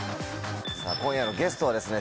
今夜のゲストはですね